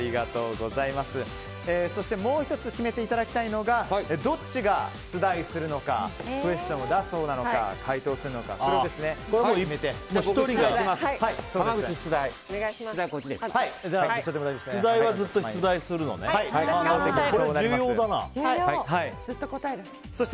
そして、もう１つ決めていただきたいのがどっちが出題するのかクエスチョンを出すほうなのか解答するほうなのかそれを決めていただいて。